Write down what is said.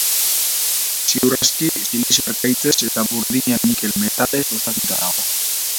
Ziur aski, silizio harkaitzez eta burdina-nikel metalez osatua dago.